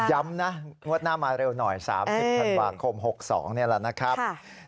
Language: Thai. ย้ำนะงวดหน้ามาเร็วหน่อย๓๐ธันวาคม๖๒นี่แหละนะครับ